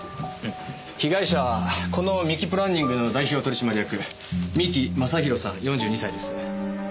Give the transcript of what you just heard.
被害者はこの三木プランニングの代表取締役三木昌弘さん４２歳です。